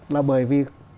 là bởi vì